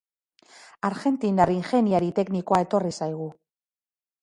Argentinar ingeniari teknikoa etorri zaigu.